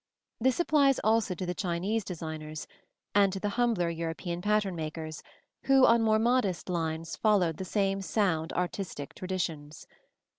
This applies also to the Chinese designers, and to the humbler European pattern makers who on more modest lines followed the same sound artistic traditions.